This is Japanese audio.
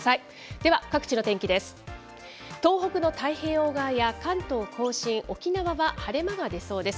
では各地の天気です。